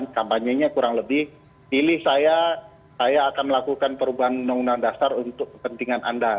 kampanyenya kurang lebih pilih saya saya akan melakukan perubahan undang undang dasar untuk kepentingan anda